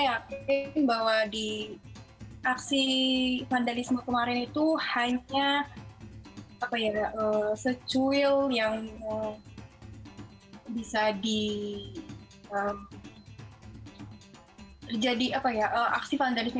ingin bahwa di aksi vandalisme kemarin itu hanya apa ya secuil yang bisa di jadi apa ya aksi vandalisme